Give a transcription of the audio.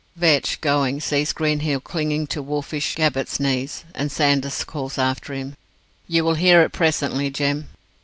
Vetch, going, sees Greenhill clinging to wolfish Gabbett's knees, and Sanders calls after him, "You will hear it presently, Jem."